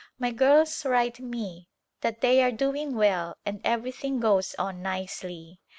My girls write me that they are doing well and everything goes on nicely.